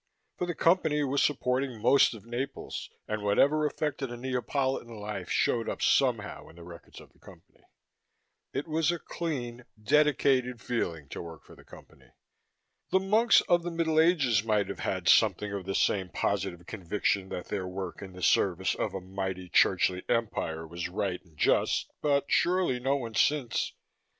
For the Company was supporting most of Naples and whatever affected a Neapolitan life showed up somehow in the records of the Company. It was a clean, dedicated feeling to work for the Company. The monks of the Middle Ages might have had something of the same positive conviction that their work in the service of a mighty churchly empire was right and just, but surely no one since.